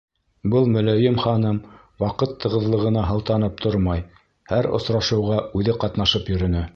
Был мөләйем ханым, ваҡыт тығыҙлығына һылтанып тормай, һәр осрашыуҙа үҙе ҡатнашып йөрөнө.